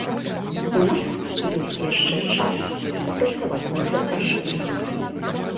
У нас ёсць яшчэ час папрацаваць над запрашэннямі.